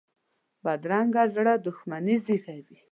بدرنګه زړه دښمني زېږوي